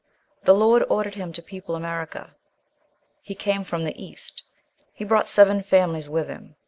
The Lord ordered him to people America. "He came from the East." He brought seven families with him.